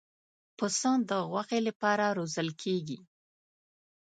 پسه د غوښې لپاره روزل کېږي.